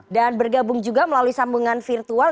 dan bergabung juga melalui sambungan virtual